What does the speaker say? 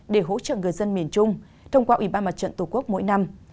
để hỗ trợ người dân miền trung thông qua ủy ban mặt trận tổ quốc mỗi năm